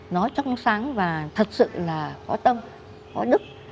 nó trong sáng và thật sự là có tâm có đức